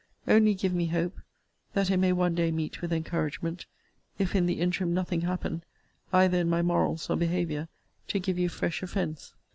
Only give me hope, that it may one day meet with encouragement, if in the interim nothing happen, either in my morals or behaviour, to give you fresh offence.